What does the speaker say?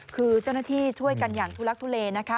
คือเจ้าหน้าที่ช่วยกันอย่างทุลักทุเลนะคะ